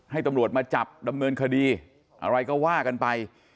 ให้ตำรวจมาจับดำเนินคดีอะไรก็ว่ากันไป